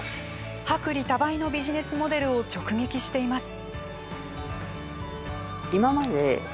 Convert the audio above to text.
薄利多売のビジネスモデルを直撃しています。